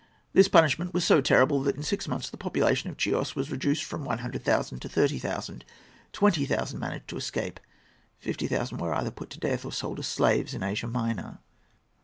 This punishment was so terrible that, in six months, the population of Chios was reduced from one hundred thousand to thirty thousand. Twenty thousand managed to escape. Fifty thousand were either put to death or sold as slaves in Asia Minor.